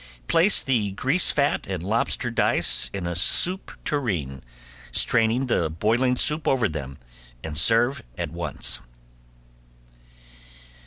Place the grease fat and lobster dice in a soup tureen, strain the boiling soup over them, and serve at once.